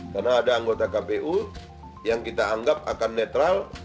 karena ada anggota kpu yang kita anggap akan netral